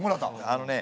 あのね